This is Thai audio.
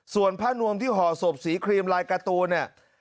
ส่วนผ้านวมที่ห่อศพสีครีมลายการ์ตูนเนี่ย